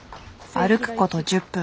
歩くこと１０分。